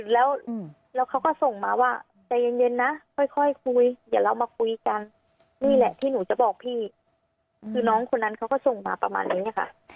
แล้วเขาก็ส่งมาว่าใจเย็นนะค่อยคุยเดี๋ยวเรามาคุยกันนี่แหละที่หนูจะบอกพี่คือน้องคนนั้นเขาก็ส่งมาประมาณนี้ค่ะ